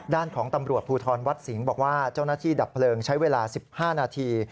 ด้านของตำรวจภูทรวัดสิงห์บอกว่าเจ้าหน้าที่ดับเพลิงใช้เวลา๑๕นาที